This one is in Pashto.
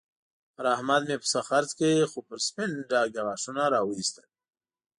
پر احمد مې پسه خرڅ کړ؛ خو پر سپين ډاګ يې غاښونه را واېستل.